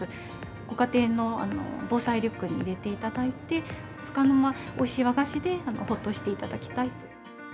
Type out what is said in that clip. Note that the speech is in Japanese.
ご家庭の防災リュックに入れていただいて、つかの間、おいしい和菓子でほっとしていただきたいと。